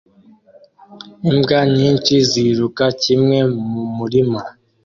Imbwa nyinshi ziruka kimwe mumurima